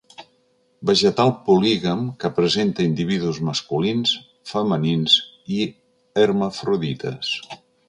Vegetal polígam que presenta individus masculins, femenins i hermafrodites.